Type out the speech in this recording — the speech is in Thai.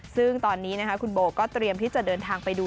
ซึ่งตอนนี้คุณโบก็เตรียมที่จะเดินทางไปดู